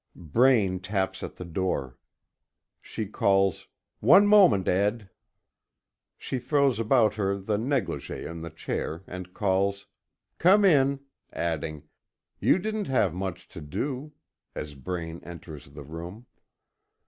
Braine taps at the door. She calls: "One moment, Ed." She throws about her the negligée on the chair and calls, "Come in," adding, "You didn't have much to do," as Braine enters the room.